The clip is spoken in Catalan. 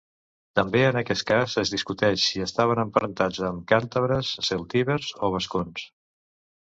També en aquest cas es discuteix si estaven emparentats amb càntabres, celtibers o vascons.